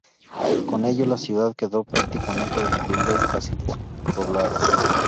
Con ello la ciudad quedó prácticamente destruida y casi despoblada.